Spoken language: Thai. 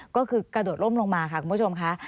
ก็คือกระโดดล่มลงมาค่ะคุณผู้ชมค่ะ